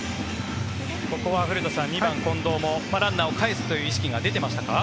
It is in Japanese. ここは古田さん２番、近藤もランナーをかえすという意識が出てましたか。